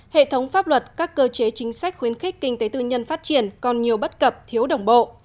hệ thống pháp luật các cơ chế chính sách khuyến khích kinh tế tư nhân phát triển còn nhiều bất cập thiếu đồng bộ